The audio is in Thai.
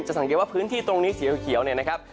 สังเกตว่าพื้นที่ตรงนี้สีเขียวเนี่ยนะครับ